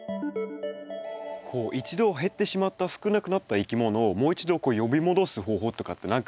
こう一度減ってしまった少なくなったいきものをもう一度呼び戻す方法とかって何かありますか？